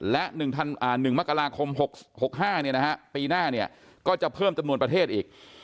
และ๑ธันวาคมอ่า๑มกลาคม๖๕นะคะตีหน้าเนี่ยก็จะเพิ่มจำนวนประเทศอีก